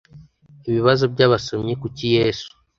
ibibazo by abasomyi kuki yesu